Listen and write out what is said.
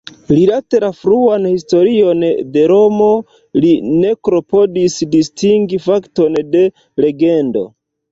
Rilate la fruan historion de Romo, li ne klopodis distingi fakton de legendo.